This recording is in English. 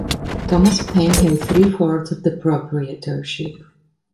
Thomas Penn held three-fourths of the proprietorship.